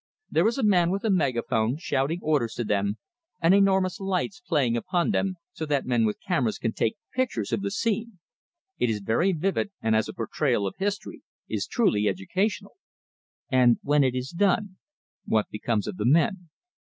There is a man with a megaphone, shouting orders to them, and enormous lights playing upon them, so that men with cameras can take pictures of the scene. It is very vivid, and as a portrayal of history, is truly educational." "And when it is done what becomes of the men?"